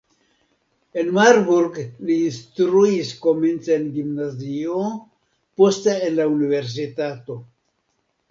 En Marburg li instruis komence en gimnazio, poste en la universitato.